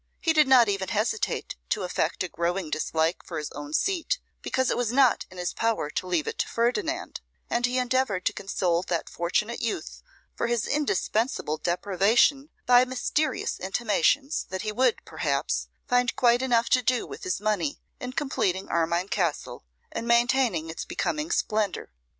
He did not even hesitate to affect a growing dislike for his own seat, because it was not in his power to leave it to Ferdinand; and he endeavoured to console that fortunate youth for his indispensable deprivation by mysterious intimations that he would, perhaps, find quite enough to do with his money in completing Armine Castle, and maintaining its becoming splendour.